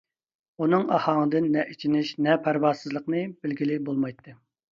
ئۇنىڭ ئاھاڭىدىن نە ئېچىنىش، نە پەرۋاسىزلىقنى بىلگىلى بولمايتتى.